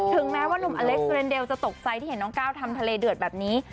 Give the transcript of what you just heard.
แม้ว่านุ่มอเล็กซ์เรนเดลจะตกใจที่เห็นน้องก้าวทำทะเลเดือดแบบนี้